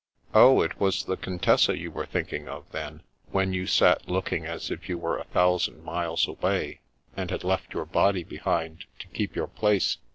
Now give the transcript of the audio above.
" Oh, it was the Contessa you were thinking of, then, when you sat looking as if you were a thousand miles away, and had left your body behind to keep your place?